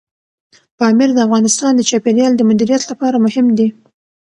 پامیر د افغانستان د چاپیریال د مدیریت لپاره مهم دي.